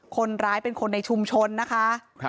คนร้ายเป็นคนในชุมชนนะคะ